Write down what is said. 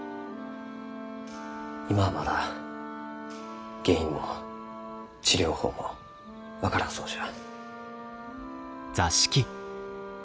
今はまだ原因も治療法も分からんそうじゃ。